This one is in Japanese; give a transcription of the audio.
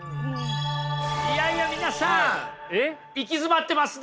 いやいや皆さん行き詰まってますね。